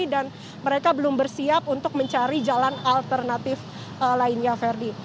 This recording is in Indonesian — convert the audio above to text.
dan mereka belum bersiap untuk mencari jalan alternatif lainnya ferdi